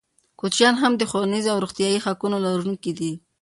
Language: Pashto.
کوچیان هم د ښوونیزو او روغتیايي حقونو لرونکي دي.